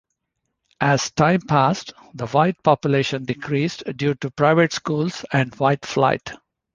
As time passed, the White population decreased due to private schools and white flight.